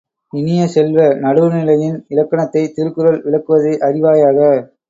இனிய செல்வ, நடுவுநிலையின் இலக்கணத்தைத் திருக்குறள் விளக்குவதை அறிவாயாக!